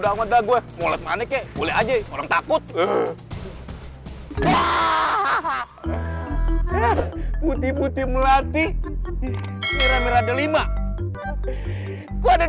udah udah gue mulai manik ya boleh aja orang takut putih putih melati merah merah dua puluh lima ada